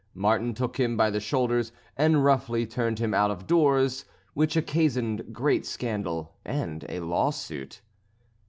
Martin took him by the shoulders and roughly turned him out of doors; which occasioned great scandal and a law suit.